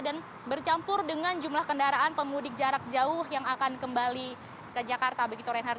dan bercampur dengan jumlah kendaraan pemudik jarak jauh yang akan kembali ke jakarta begitu reinhardt